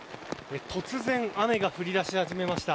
突然、雨が降り出し始めました。